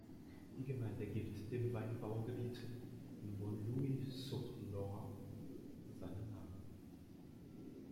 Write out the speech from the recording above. Die Gemeinde gibt dem Weinbaugebiet Montlouis-sur-Loire seinen Namen.